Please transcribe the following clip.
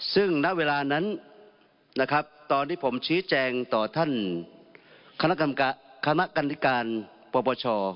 ซึ่งณเวลานั้นนะครับตอนที่ผมชี้แจงต่อท่านคณะกรรมธิการปปช